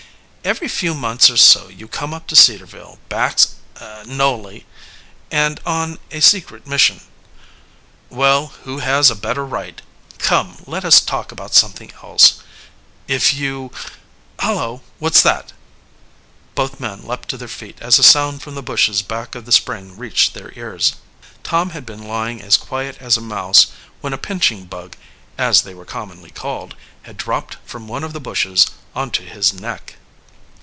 "Every few months or so you come up to Cedarville, Baxt Nolly, and on a secret mission." "Well, who has a better right? Come, let us talk about something else. If you Hullo, what's that?" Both men leaped to their feet as a sound from the bushes back of the spring reached their ears. Tom had been lying as quiet as a mouse when a pinching bug, as they are commonly called, had dropped from one of the bushes onto his neck.